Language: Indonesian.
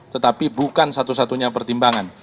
tetapi bukan satu satunya pertimbangan